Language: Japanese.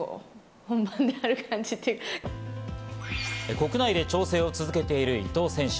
国内で調整を続けている伊藤選手。